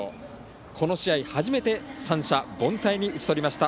この試合初めて三者凡退に打ち取りました。